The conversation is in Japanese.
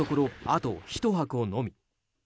あと１箱のみ。